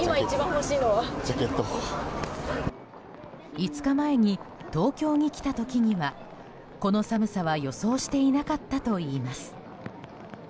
５日前に、東京に来た時にはこの寒さは予想していなかったといいます。